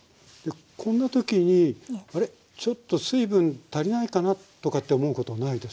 こんなときにあれちょっと水分足りないかなとかって思うことないですかね？